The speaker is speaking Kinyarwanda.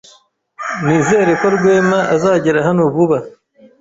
Nizere ko Rwema azagera hano vuba.